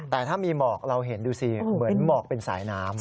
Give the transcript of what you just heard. แต่ถ้ามีหมอกเราเห็นดูสิเหมือนหมอกเป็นสายน้ำ